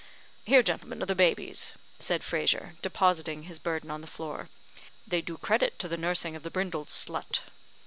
"Here, gentlemen, are the babies," said Frazer, depositing his burden on the floor. "They do credit to the nursing of the brindled slut."